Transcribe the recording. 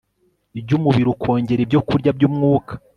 byumubiri ukongera ibyokurya byumwuka